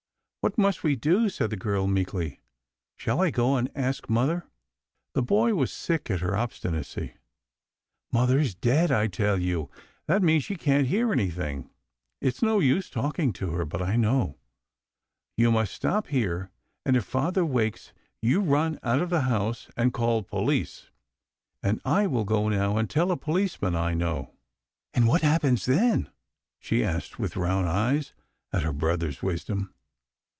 " What must we do ?" said the girl meekly. " Shall I go and ask mother ?" The boy was sick at her obstinacy. " Mother's dead, I tell you ; that means she can't hear anything. It's no use talking to her ; but I know. You must stop here, and if father wakes you run out of the house and call ' Police !' and I will go now and tell a policeman I know." " And what happens then ?" she asked, with round eyes at her brother's wisdom.